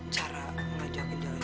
cara ngajakin jalan jalan gimana ya